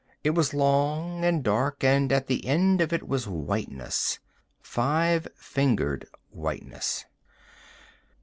It was long and dark, and at the end of it was whiteness, five fingered whiteness....